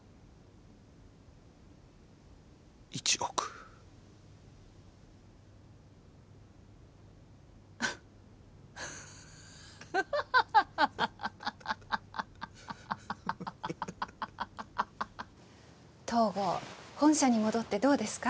１億ハハハハ東郷本社に戻ってどうですか？